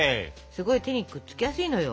すごい手にくっつきやすいのよ。